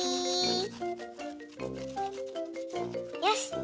よし！